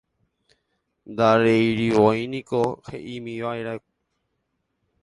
Ndareirivoíniko he'ímiva'erã